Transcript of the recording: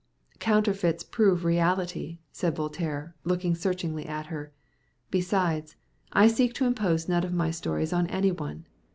"Counterfeits prove reality," said Voltaire, looking searchingly at her; "besides, I seek to impose none of my stories on any one.